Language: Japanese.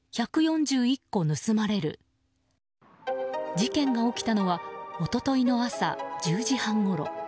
事件が起きたのは一昨日の朝１０時半ごろ。